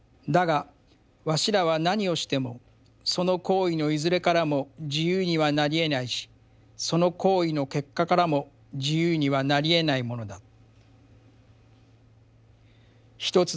だがわしらは何をしてもその行為のいずれからも自由にはなりえないしその行為の結果からも自由にはなりえないものだ」。